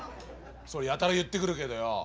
それやたら言ってくるけどよ。